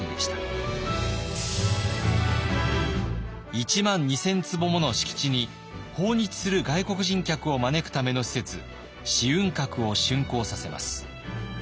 １万２，０００坪もの敷地に訪日する外国人客を招くための施設紫雲閣をしゅんこうさせます。